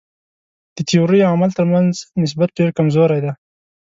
د تیورۍ او عمل تر منځ نسبت ډېر کمزوری دی.